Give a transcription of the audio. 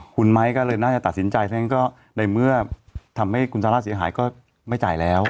คุณไม้ก็เลยน่าจะตัดสินใจเพราะฉะนั้นก็ในเมื่อทำให้คุณซาร่าเสียหายก็ไม่จ่ายแล้ว